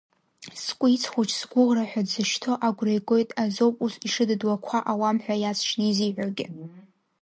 Скәиц хәыҷ-сгәыӷра ҳәа дзышьҭо агәра игоит азоуп ус ишыдыдуа қәа ауам ҳәа иаҵшьны изиҳәогьы.